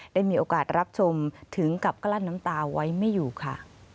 ได้มีโอกาสรับชมถึงกับกลั้นน้ำตาไว้ไม่อยู่ค่ะ